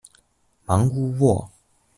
芒乌沃。